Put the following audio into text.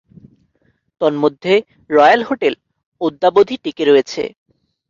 তন্মধ্যে royal hotel অদ্যাবধি টিকে রয়েছে।